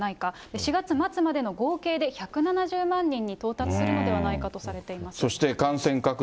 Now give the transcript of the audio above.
４月末までの合計で、１７０万人に到達するのではないかとされています。